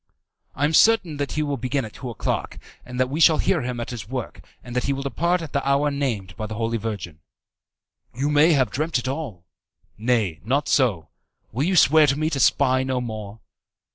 "I am certain that he will begin at two o'clock, that we shall hear him at his work, and that he will depart at the hour named by the Holy Virgin." "You may have dreamt it all." "Nay, not so. Will you swear to me to spy no more?"